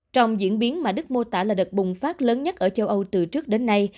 trong diễn biến mà đức mô tả là đợt bùng phát lớn nhất ở châu âu từ trước đến nay